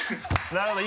なるほど！